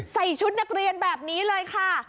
ใส่ชุดนักเรียนแบบนี้เลยค่ะ